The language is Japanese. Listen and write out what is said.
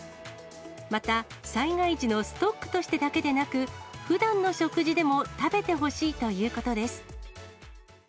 また、災害時のストックとしてだけでなく、ふだんの食事でも食べてほしいということです。